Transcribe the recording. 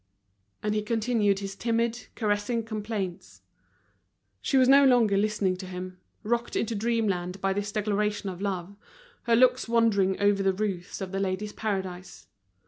And he continued his timid, caressing complaints. She was no longer listening to him, rocked into dreamland by this declaration of love, her looks wandering over the roofs of The Ladies' Paradise.